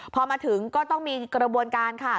พอมาถึงก็ต้องมีกระบวนการค่ะ